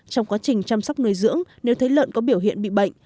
trong quá trình chăm sóc nuôi dưỡng nếu thấy lợn có biểu hiện bị bệnh